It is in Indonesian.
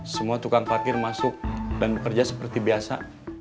semua tukang parkir masuk dan bekerja seperti biasa